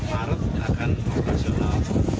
maret akan operasional